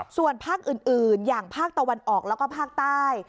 ส่วนภาคอื่นอย่างภาคตะวันออกแล้วก็ภาคใต้